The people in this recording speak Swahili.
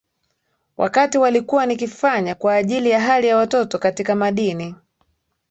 wakati walikuwa nikifanya kwa ajili ya hali ya watoto katika madini